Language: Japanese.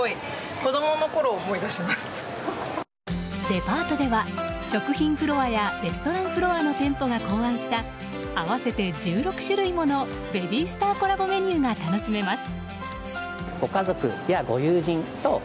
デパートでは食品フロアやレストランフロアの店舗が考案した合わせて１６種類ものベビースターコラボメニューが楽しめます。